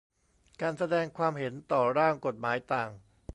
การแสดงความเห็นต่อร่างกฎหมายต่าง